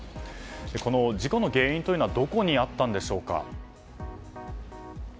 この事故の原因というのはどこにあったんでしょうか？